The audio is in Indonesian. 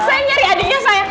saya nyari adinya saya